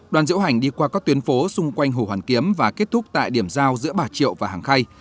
đoàn diễu hành đi qua các tuyến phố xung quanh hồ hoàn kiếm và kết thúc tại điểm giao giữa bà triệu và hàng khay